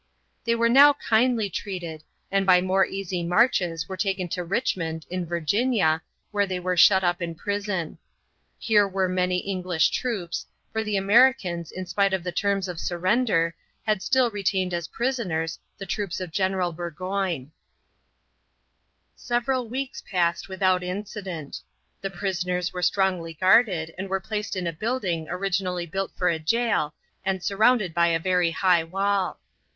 They were now kindly treated, and by more easy marches were taken to Richmond, in Virginia, where they were shut up in prison. Here were many English troops, for the Americans, in spite of the terms of surrender, had still retained as prisoners the troops of General Burgoyne. Several weeks passed without incident. The prisoners were strongly guarded and were placed in a building originally built for a jail and surrounded by a very high wall.